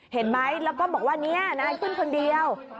เห็นไหมแล้วก็บอกว่าเนี่ยนายขึ้นคนเดียว